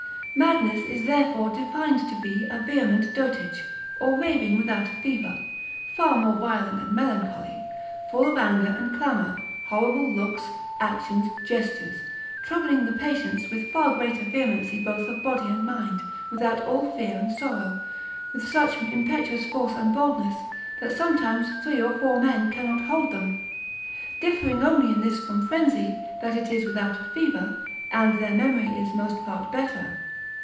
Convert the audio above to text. Madness is therefore defined to be a vehement dotage; or raving without a fever, far more violent than melancholy, full of anger and clamour, horrible looks, actions, gestures, troubling the patients with far greater vehemency both of body and mind, without all fear and sorrow, with such impetuous force and boldness, that sometimes three or four men cannot hold them. Differing only in this from frenzy, that it is without a fever, and their memory is most part better.